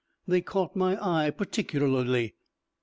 They caught my eye particularly.